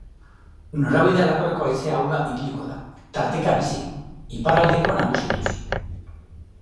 Norabide aldakorreko haize ahula ibiliko da, tarteka bizi, iparraldekoa nagusituz.